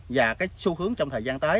và xu hướng trong thời gian tới